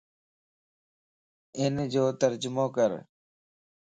انَ جو ترجمو ڪَر